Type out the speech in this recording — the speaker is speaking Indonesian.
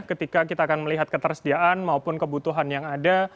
ketika kita akan melihat ketersediaan maupun kebutuhan yang ada